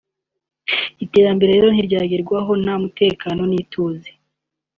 Iterambere rero ntiryagerwaho nta mutekano n’ituze